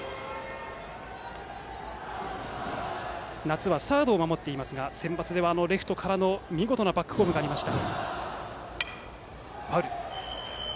夏はサードを守っていますがセンバツでは、レフトからの見事なバックホームがありました。